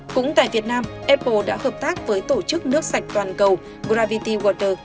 cũng tại việt nam apple đã hợp tác với tổ chức nước sạch toàn cầu gravity walter